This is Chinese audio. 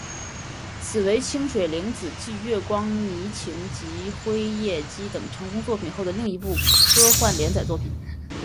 此为清水玲子继月光迷情及辉夜姬等成功作品后的另一部科幻连载作品。